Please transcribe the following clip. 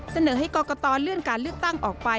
เสนอให้กรกตเลื่อนการเลือกตั้งออกไป